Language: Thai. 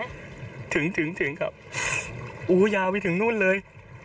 อุ้ยสาธุถึงถึงถึงครับอูยาวไปถึงนู่นเลย